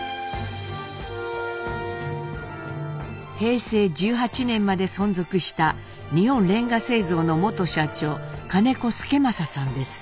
平成１８年まで存続した日本煉瓦製造の元社長金子祐正さんです。